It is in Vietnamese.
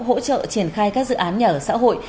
hỗ trợ triển khai các dự án nhà ở xã hội